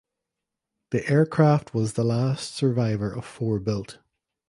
The aircraft was the last survivor of four built.